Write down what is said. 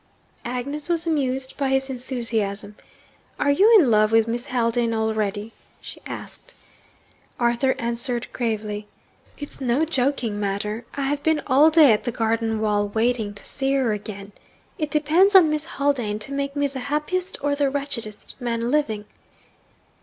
Agnes was amused by his enthusiasm. 'Are you in love with Miss Haldane already?' she asked. Arthur answered gravely, 'It's no joking matter. I have been all day at the garden wall, waiting to see her again! It depends on Miss Haldane to make me the happiest or the wretchedest man living.'